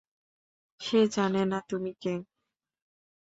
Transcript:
সে জানেনা তুমি কে।